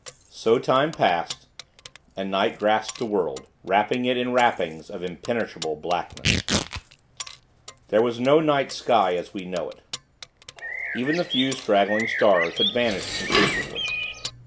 So time passed, and night grasped the world, wrapping it in wrappings of impenetrable blackness. There was no night sky, as we know it. Even the few straggling stars had vanished, conclusively.